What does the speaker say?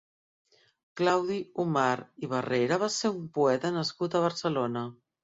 Claudi Omar i Barrera va ser un poeta nascut a Barcelona.